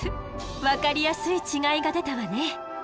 分かりやすい違いが出たわね。